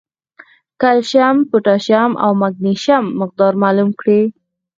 کېلشیم ، پوټاشیم او مېګنيشم مقدار معلوم کړي